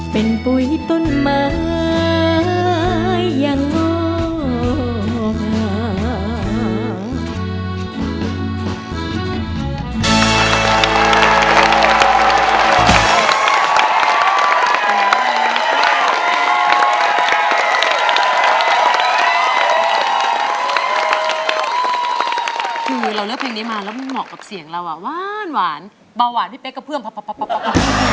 เป็นปุ๋ยต้นไม้ยังโลฟ